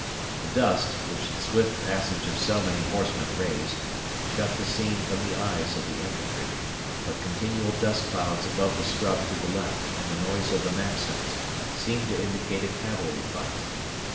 The dust, which the swift passage of so many horsemen raised, shut the scene from the eyes of the infantry, but continual dust clouds above the scrub to the left and the noise of the Maxims seemed to indicate a cavalry fight.